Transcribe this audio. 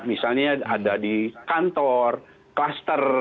misalnya ada di kantor klaster